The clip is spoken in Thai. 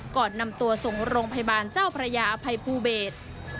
ก่อนนำตัวส่งโรงพยาบาลเจ้าพระยาอภัยภูเบศ